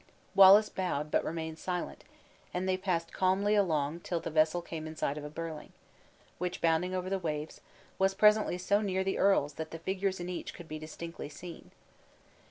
Wallace bowed, but remained silent; and they passed calmly along till the vessel came in sight of a birling, which, bounding over the waves, was presently so near the earl's, that the figures in each could be distinctly seen.